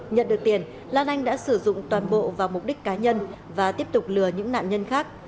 nhận được tiền lan anh đã sử dụng toàn bộ vào mục đích cá nhân và tiếp tục lừa những nạn nhân khác